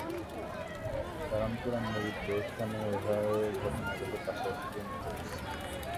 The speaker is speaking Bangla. কারণ কুরআন মজীদের বহু স্থানে এ উভয় ঘটনাগুলো পাশাপাশি বর্ণিত হয়েছে।